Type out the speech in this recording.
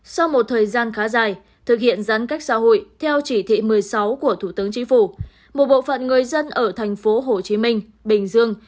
sau một thời gian khá dài thực hiện giãn cách xã hội theo chỉ thị một mươi sáu của thủ tướng chính phủ một bộ phận người dân ở thành phố hồ chí minh bình dương